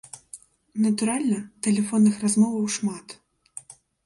Натуральна, тэлефонных размоваў шмат.